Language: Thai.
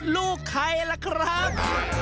ลูกใครล่ะครับ